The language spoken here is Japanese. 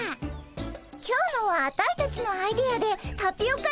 今日のはアタイたちのアイデアでタピオカ入りだよ。